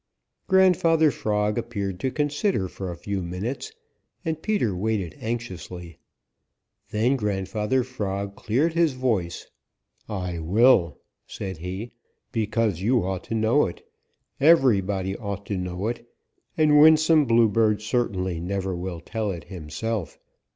Grandfather Frog appeared to consider for a few minutes, and Peter waited anxiously. Then Grandfather Frog cleared his voice. "I will," said he, "because you ought to know it. Everybody ought to know it, and Winsome Bluebird certainly never will tell it himself.